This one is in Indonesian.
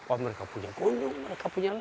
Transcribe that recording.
oh mereka punya kunjung mereka punya lantai